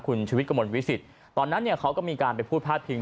คุณชุวิตกระมวลวิสิตตอนนั้นเนี่ยเขาก็มีการไปพูดพาดพิง